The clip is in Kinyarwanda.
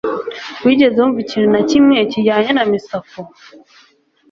Wigeze wumva ikintu na kimwe kijyanye na Misako?